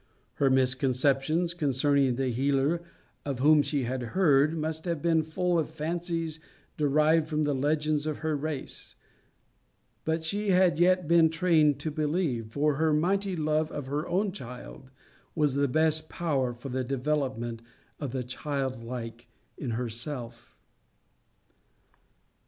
Her misconceptions concerning the healer of whom she had heard must have been full of fancies derived from the legends of her race. But she had yet been trained to believe, for her mighty love of her own child was the best power for the development of the child like in herself.